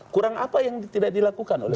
kurang apa yang tidak dilakukan oleh presiden jokowi